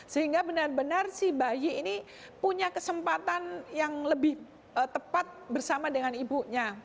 sehingga benar benar si bayi ini punya kesempatan yang lebih tepat bersama dengan ibunya